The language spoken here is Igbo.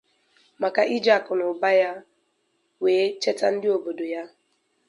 maka iji akụnụba ya wee cheta ndị obodo ya